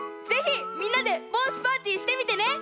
ぜひみんなでぼうしパーティーしてみてね。